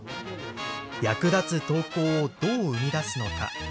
役立つ投稿をどう生み出すのか。